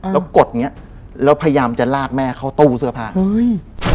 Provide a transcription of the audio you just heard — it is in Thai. แล้วกดอย่างเงี้ยแล้วพยายามจะลากแม่เข้าตู้เสื้อผ้าเฮ้ย